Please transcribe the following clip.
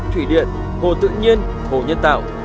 thủy điện hồ tự nhiên hồ nhân tạo